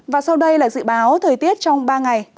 và sau đây là dự báo thời tiết trong ba ngày